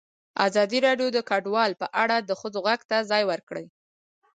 ازادي راډیو د کډوال په اړه د ښځو غږ ته ځای ورکړی.